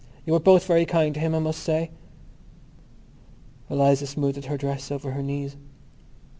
You were both very kind to him, I must say." Eliza smoothed her dress over her knees.